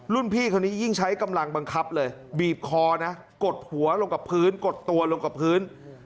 พี่คนนี้ยิ่งใช้กำลังบังคับเลยบีบคอนะกดหัวลงกับพื้นกดตัวลงกับพื้น